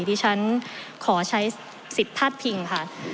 ดิฉันขอใช้สิทธิ์พาดพิงค่ะ